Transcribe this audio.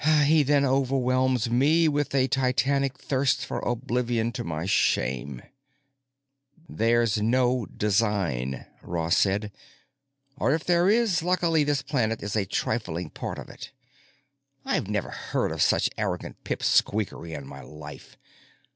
He then overwhelms me with a titanic thirst for oblivion to my shame." "There's no design," Ross said. "Or if there is, luckily this planet is a trifling part of it. I have never heard of such arrogant pip squeakery in my life.